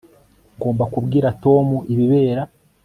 ngomba kubwira tom ibibera